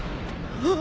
あっ！？